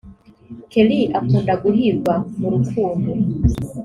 Kelly akunda guhirwa mu rukundo